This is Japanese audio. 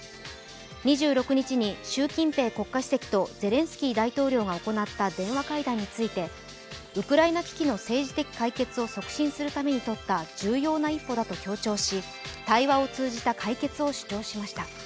２６日に習近平国家主席とゼレンスキー大統領が行った電話会談についてウクライナ危機の政治的解決を促進するためにとった重要な一歩だと強調し対話を通じた解決を主張しました。